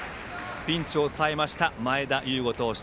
ピンチを抑えた前田悠伍投手。